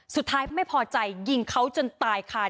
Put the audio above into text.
สุดท้ายไม่พอใจยิงเขาจนตายค่ะ